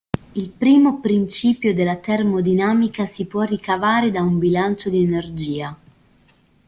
Il primo principio della termodinamica si può ricavare da un bilancio di energia.